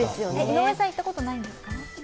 井上さん、行ったことないんですか？